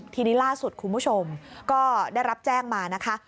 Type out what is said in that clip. ทีนี้ล่าสุดคุณผู้ชมก็ได้รับแจ้งมานะคะ